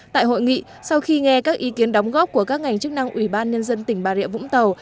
tại hội nghị sau khi nghe các ý kiến đóng góp của các ngành chức năng ủy ban nhân dân tỉnh bà rịa vũng tàu